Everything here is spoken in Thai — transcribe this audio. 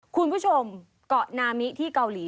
คุณผู้ชมเกาะนามิที่เกาหลี